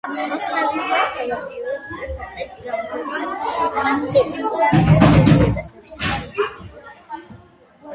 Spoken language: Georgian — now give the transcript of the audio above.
მოხალისეებს თავდაპირველად უწევთ საწერი გამოცდის ჩაბარება, ასევე ფიზიკური და ფსიქოლოგიური ტესტების ჩაბარება.